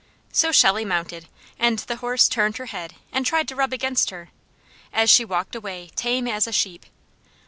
So Shelley mounted, and the horse turned her head, and tried to rub against her, as she walked away, tame as a sheep.